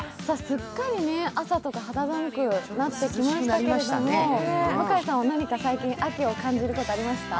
すっかり朝とか肌寒くなってきましたけれども、向井さんは何か最近、秋を感じることありました？